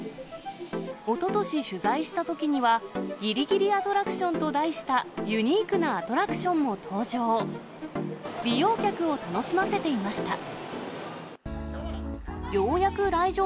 おととし取材したときには、ぎりぎりアトラクションと題した、ユニークなアトラクションも登場。